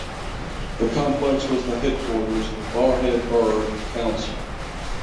The complex was the headquarters of Barrhead Burgh Council.